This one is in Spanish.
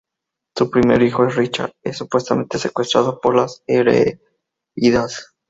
Su primer hijo Richard es supuestamente secuestrado por las nereidas.